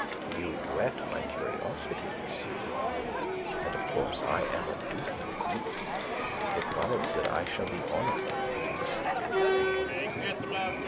"You whet my curiosity, monsieur; and, of course, I am a dutiful niece. It follows that I shall be honoured to receive you."